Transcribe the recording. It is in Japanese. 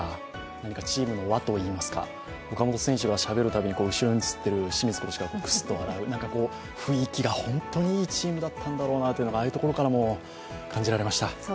何かチームの輪といいますか、岡本選手がしゃべるたびに後ろに移っている清水コーチがくすっと笑う、雰囲気が本当にいいチームだったんだろうなというのがああいうところからも感じられました。